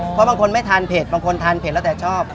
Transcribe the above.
เพราะบางคนไม่ทานเผ็ดบางคนทานเผ็ดแล้วแต่ชอบ